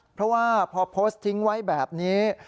เพราะว่าพอโพสต์ทิ้งไว้แบบนี้